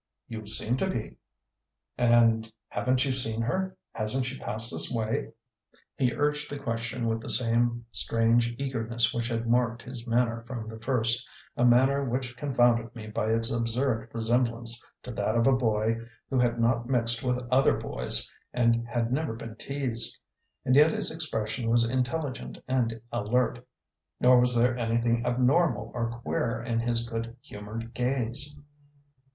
"You seem to be!" "And haven't you seen her? Hasn't she passed this way?" He urged the question with the same strange eagerness which had marked his manner from the first, a manner which confounded me by its absurd resemblance to that of a boy who had not mixed with other boys and had never been teased. And yet his expression was intelligent and alert; nor was there anything abnormal or "queer" in his good humoured gaze.